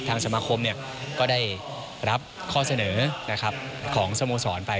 สมาคมก็ได้รับข้อเสนอของสโมสรไป